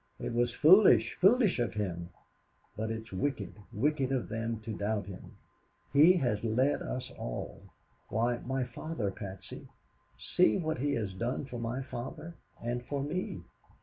It was foolish, foolish of him; but it's wicked, wicked of them to doubt him. He has led us all. Why, my father, Patsy. See what he has done for my father, and for me!